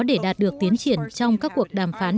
để đạt được tiến triển trong các cuộc đàm phán